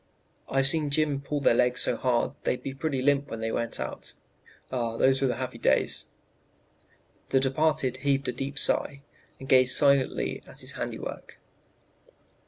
"I've seen Jim pull their legs so hard they'd pretty near limp when they went out. Ah, those were happy days!" The departed heaved a deep sigh, and gazed silently at his handiwork.